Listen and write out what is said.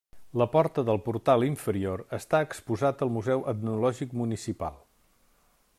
La porta del portal inferior està exposat al museu etnològic municipal.